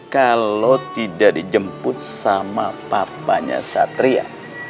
kalau tidak dijemput sama papanya satria